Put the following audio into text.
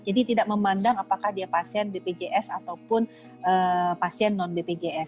jadi tidak memandang apakah dia pasien bpjs ataupun pasien non bpjs